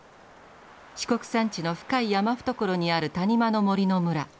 四国山地の深い山懐にある谷間の森の村。